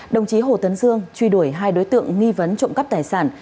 đồng chí hồ tấn dương truy đuổi hai đối tượng nghi vấn trộm cắp tài sản